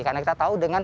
karena kita tahu dengan